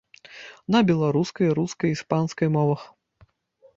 На беларускай, рускай, іспанскай мовах.